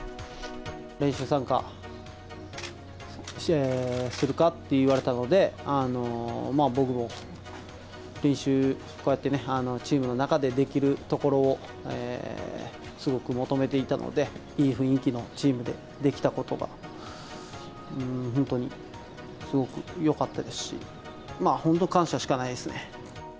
練習参加するかって言われたので、僕も練習をこうやってね、チームの中でできるところをすごく求めていたので、いい雰囲気のチームでできたことが、本当にすごくよかったですし、まあ本当、感謝しかないですね。